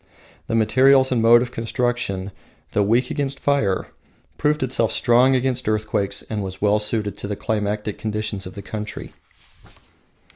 The material and mode of construction, though weak against fire, proved itself strong against earthquakes, and was well suited to the climatic conditions of the country.